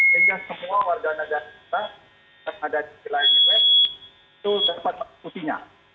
sehingga semua warga nasional kita yang ada di live web itu dapat mengikutinya